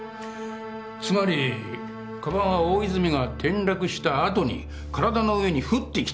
つまり鞄は大泉が転落したあとに体の上に降ってきた。